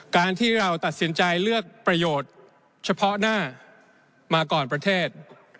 การที่เราตัดสินใจเลือกประโยชน์เฉพาะหน้ามาก่อนประเทศ